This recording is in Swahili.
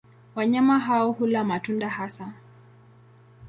Wanyama hao hula matunda hasa.